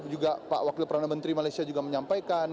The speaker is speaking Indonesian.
juga pak wakil perdana menteri malaysia juga menyampaikan